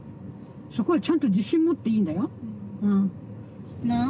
そこはちゃんと自信持っていいんだようん。